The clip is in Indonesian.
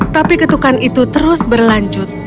tapi ketukan itu terus berlanjut